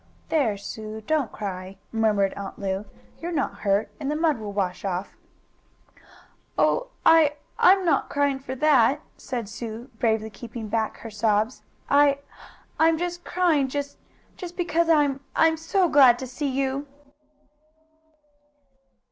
"There, Sue! Don't cry!" murmured Aunt Lu. "You're not hurt, and the mud will wash off." "Oh, I I'm not crying for that," said Sue, bravely keeping back her sobs. "I I'm crying just just because I'm I'm so glad to see you!"